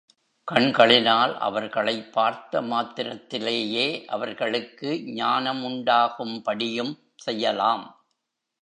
கண்களினால் அவர்களைப் பார்த்த மாத்திரத்திலேயே அவர்களுக்கு ஞானம் உண்டாகும்படியும் செய்யலாம்.